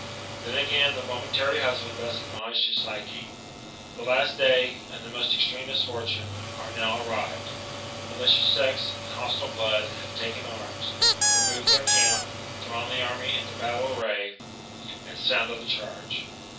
Then again the momentary husband thus admonished his Psyche ; "The last day, and the most extreme misfortune, are now arrived. The malicious sex, and hostile blood have taken arms, removed their camp, drawn the army into battle array, and sounded the charge.